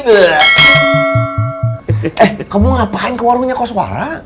eh kamu ngapain ke warungnya koswara